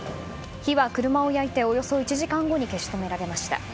火は車を焼いておよそ１時間後に消し止められました。